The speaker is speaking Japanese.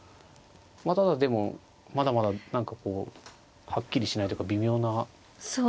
ただでもまだまだ何かこうはっきりしないというか微妙な。